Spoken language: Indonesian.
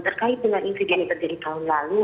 terkait dengan insiden yang terjadi tahun lalu